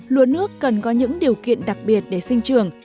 lúa nước cần có những điều kiện đặc biệt để sinh trường